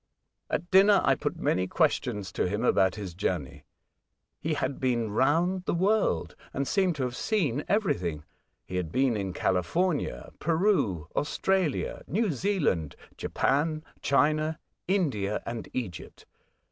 At dinner I put many questions to him about his journey. He had been round the world, and seemed to have seen everything. He had been in California, Peru, Australia, New Zealand, Japan, China, India, and Egypt.